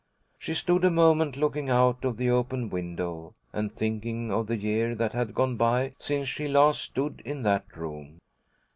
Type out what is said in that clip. She stood a moment, looking out of the open window, and thinking of the year that had gone by since she last stood in that room.